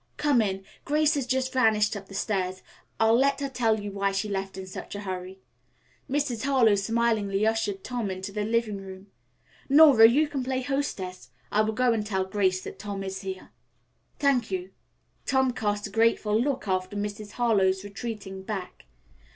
Come in. Grace has just vanished up the stairs. I'll let her tell you why she left us in such a hurry." Mrs. Harlowe smilingly ushered Tom into the living room. "Nora, you can play hostess. I will go and tell Grace that Tom is here." "Thank you." Tom cast a grateful look after Mrs. Harlowe's retreating back.